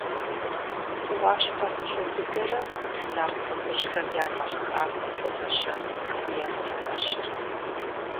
Уащхъуэ гъущӏу быдэрэ, нарт лӏыхъужьхэм я нэхъ хахуэм хуэфэщэну екӏурт ӏэщэр.